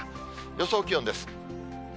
予想気温です。